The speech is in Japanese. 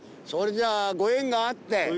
それじゃご縁があって。